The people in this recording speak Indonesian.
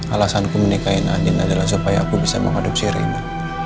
alasanku menikahin andin adalah supaya aku bisa mengadopsi rina